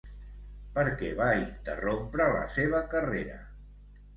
Per què va interrompre la seva carrera?